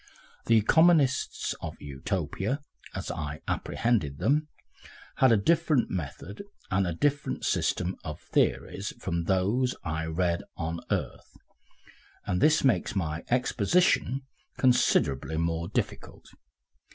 The economists of Utopia, as I apprehended them, had a different method and a very different system of theories from those I have read on earth, and this makes my exposition considerably more difficult.